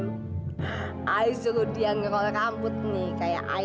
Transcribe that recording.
saya suruh dia ngerol rambutnya ya